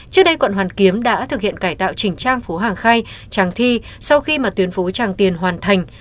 trước đây quận hoàn kiếm đã thực hiện cải tạo chỉnh trang phố hàng khay tràng thi sau khi mà tuyến phố tràng tiền hoàn thành